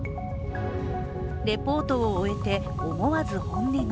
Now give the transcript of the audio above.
リポートを終えて、思わず本音が。